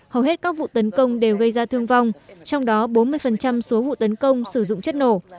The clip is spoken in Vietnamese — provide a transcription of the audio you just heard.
hầu hết các vụ tấn công đều gây ra thương vong trong đó bốn mươi số vụ tấn công sử dụng chất nổ